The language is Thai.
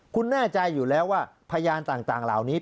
คุณแน่ใจอยู่แล้วว่าพยานต่างเหล่านี้